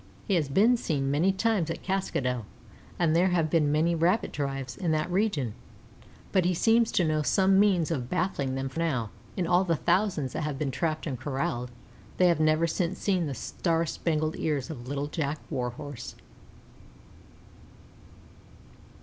He has been seen many times in Kaskado, and there have been many Rabbit drives in that region, but he seems to know some means of baffling them now, for, in all the thousands that have been trapped and corralled, they have never since seen the star spangled ears of Little jack Warhorse.